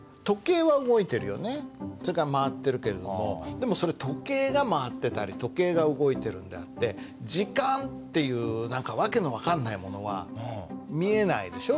でもそれ時計が回ってたり時計が動いてるんであって時間っていう何か訳の分かんないものは見えないでしょ。